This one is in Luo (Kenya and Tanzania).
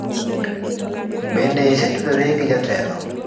Bende isetudori gi jatelo?